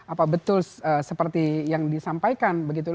apa betul seperti yang disampaikan begitu